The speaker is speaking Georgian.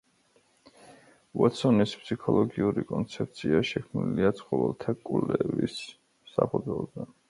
უოტსონის ფსიქოლოგიური კონცეფცია შექმნილია ცხოველთა კვლევის საფუძველზე.